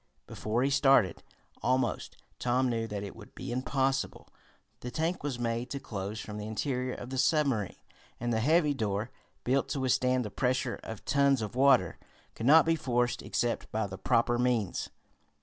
Before he started, almost, Tom knew that it would be impossible. The tank was made to close from the interior of the submarine, and the heavy door, built to withstand the pressure of tons of water, could not be forced except by the proper means.